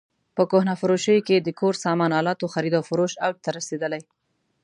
په کهنه فروشیو کې د کور سامان الاتو خرید او فروش اوج ته رسېدلی.